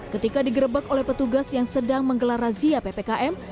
ketika digerebek oleh petugas yang sedang menggelar razia ppkm